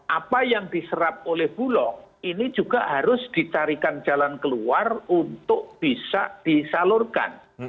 apa yang diserap oleh bulog ini juga harus dicarikan jalan keluar untuk bisa disalurkan